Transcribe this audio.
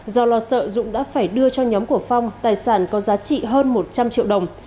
do lo sợ dũng đã phải đưa cho nhóm của phong tài sản có giá trị hơn một trăm linh triệu đồng